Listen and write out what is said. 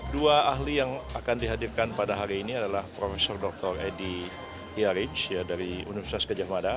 dua ahli yang akan dihadirkan pada hari ini adalah prof dr edy hyarij dari universitas gajah mada